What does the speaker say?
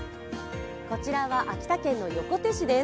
こちらは秋田県の横手市です。